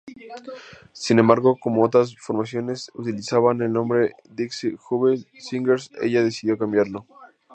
Sin embargo, como otras formaciones utilizaban el nombre Dixie Jubilee Singers, ella decidió cambiarlo.